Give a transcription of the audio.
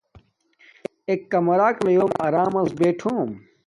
ایک کمراک لیم آرمس بٹھوم